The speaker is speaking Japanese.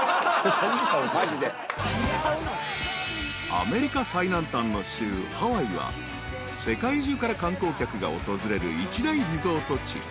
［アメリカ最南端の州ハワイは世界中から観光客が訪れる一大リゾート地］